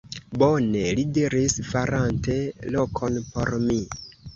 Bone! li diris, farante lokon por mi.